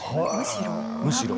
むしろ？